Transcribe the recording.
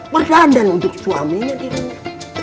pertandang untuk suaminya dirinya